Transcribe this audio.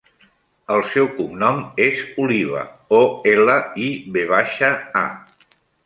El seu cognom és Oliva: o, ela, i, ve baixa, a.